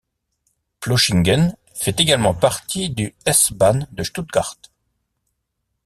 Plochingen fait également partie du S-Bahn de Stuttgart.